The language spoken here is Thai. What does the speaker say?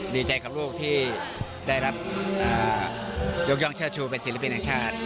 ดีใจกับลูกที่ได้รับยกย่องเชิดชูเป็นศิลปินแห่งชาติ